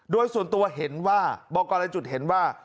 โดยส่วนตัวเห็นว่าบอกกรรายจุดเห็นว่า